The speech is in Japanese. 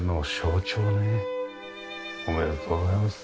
おめでとうございます。